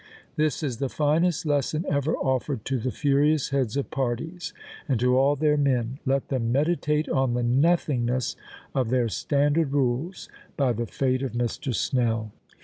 This is the finest lesson ever offered to the furious heads of parties, and to all their men; let them meditate on the nothingness of their "Standard Rules," by the fate of Mr. Snell.